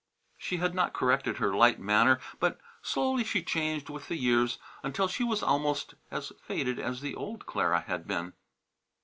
She had not corrected her light manner, but slowly she changed with the years until she was almost as faded as the old Clara had been.